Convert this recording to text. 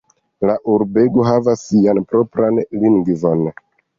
La urbego havas sian propran lingvon.